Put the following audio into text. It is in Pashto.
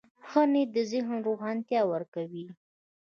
ښه نیت د ذهن روښانتیا ورکوي.